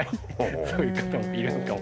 そういう方もいるのかも。